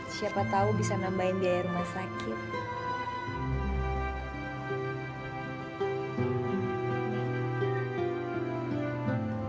siapa tahu bisa nambahin biaya rumah sakit